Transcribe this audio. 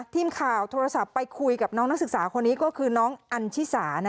ทีมข่าวโทรศัพท์ไปคุยกับน้องนักศึกษาคนนี้ก็คือน้องอันชิสา